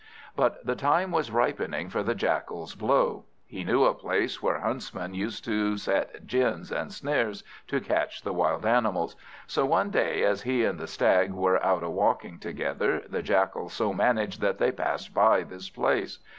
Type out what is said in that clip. But the time was ripening for the Jackal's blow. He knew a place where huntsmen used to set gins and snares, to catch the wild animals. So one day, as he and the Stag were out a walking together, the Jackal so managed that they passed by this place.